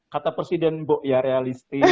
kata presiden ya realistis